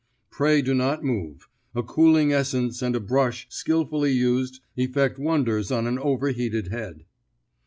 Pray do not move; a cooling essence and a brush skilfully used effect wonders on an over heated head."